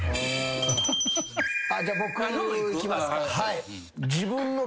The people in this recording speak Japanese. じゃあ僕いきますか。